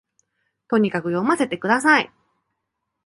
とにかく読ませて下さい